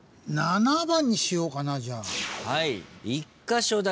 ７番にしようかなじゃあ。